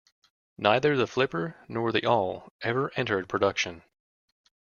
Neither the 'Flipper' nor the 'Awl' ever entered production.